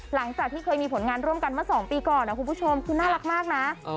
หลังจากที่เคยมีผลงานร่วมกันเมื่อ๒ปีก่อนนะคุณผู้ชมคือน่ารักมากนะ